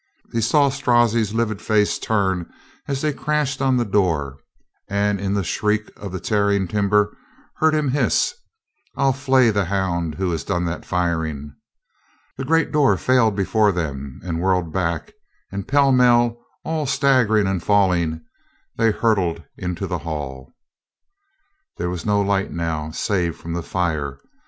He saw Strozzi's livid face turn as they crashed on the door and in the shriek of the tearing timber heard him hiss, "I'll flay the hound who has done that firing." The great door failed before them and whirled back, and pell mell, all staggering and falling, they hurtled into the hall. There was no light now, save from the fire.